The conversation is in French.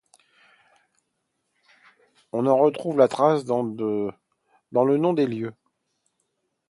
On en retrouve la trace dans le nom des lieux.